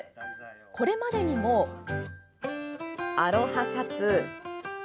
これまでにも、アロハシャツ。